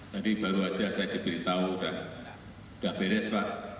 tadi baru saja saya diberitahu sudah beres pak